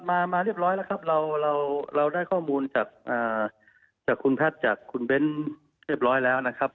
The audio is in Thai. มามาเรียบร้อยแล้วครับเราเราได้ข้อมูลจากคุณแพทย์จากคุณเบ้นเรียบร้อยแล้วนะครับ